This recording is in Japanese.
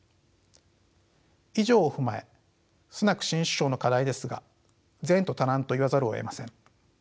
以上を踏まえスナク新首相の課題ですが前途多難と言わざるをえません。